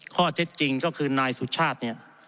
ข้อเท็จจริงก็คือนายสุชาติเนี่ย